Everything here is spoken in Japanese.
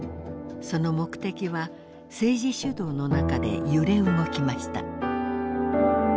その目的は政治主導の中で揺れ動きました。